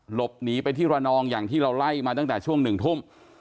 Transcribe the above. หลบหนีไปที่ระนองอย่างที่เราไล่มาตั้งแต่ช่วง๑ทุ่ม